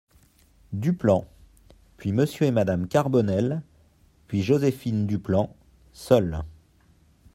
Duplan ; puis Monsieur et Madame Carbonel, puis Joséphine Duplan , seul.